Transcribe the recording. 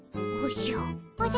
おじゃ。